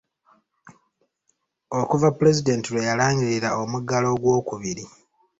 Okuva Pulezidenti lwe yalangirira omuggalo ogwokubiri.